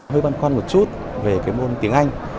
hơi băn khoăn một chút về cái môn tiếng anh